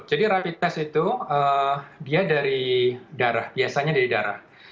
jadi rapid test itu dia dari darah biasanya dari darah